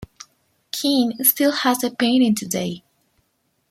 Keane still has the painting today.